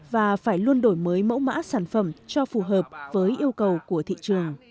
và phải luôn đổi mới mẫu mã sản phẩm cho phù hợp với yêu cầu của thị trường